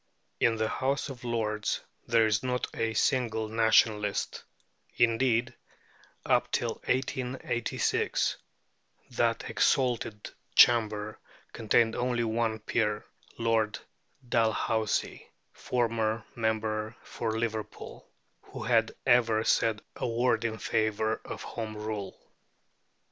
In the House of Lords there is not a single Nationalist; indeed, up till 1886, that exalted chamber contained only one peer, Lord Dalhousie (formerly member for Liverpool), who had ever said a word in favour of Home Rule.